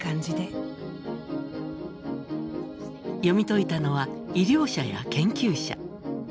読み解いたのは医療者や研究者。